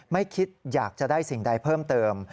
ไม่คิดอยากจะได้สิ่งใดเพิ่มเติม